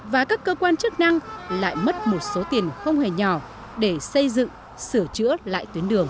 và các cơ quan chức năng lại mất một số tiền không hề nhỏ để xây dựng sửa chữa lại tuyến đường